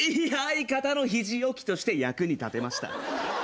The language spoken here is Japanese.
相方の肘置きとして役に立てました。